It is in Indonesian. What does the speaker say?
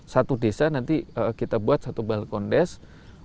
satu desa nanti kita buat satu balkon desk